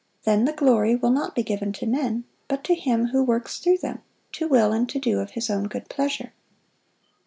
Then the glory will not be given to men, but to Him who works through them to will and to do of His own good pleasure.